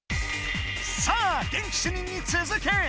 さあ元気主任につづけ！